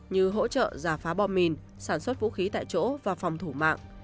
như hỗ trợ giả phá bom mìn sản xuất vũ khí tại chỗ và phòng thủ mạng